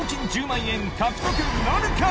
１０万円獲得なるか？